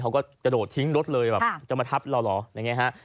เขาก็จะโดดทิ้งรถเลยจะมาทับเราเหรอ